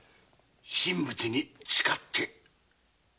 神仏に誓って。